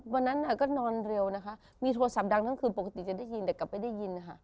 วันนั้นก็นอนเร็วนะคะมีโทรศัพท์ดังทั้งคืนปกติจะได้ยินแต่กลับไม่ได้ยินนะคะ